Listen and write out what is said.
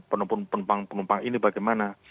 penumpang penumpang ini bagaimana